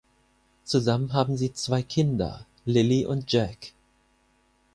Zusammen haben sie zwei Kinder: Lily und Jack.